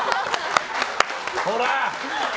ほら！